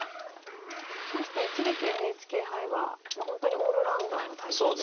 対して一力ＮＨＫ杯は本当にオールラウンダーなタイプ。